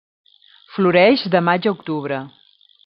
Floreix de maig a octubre.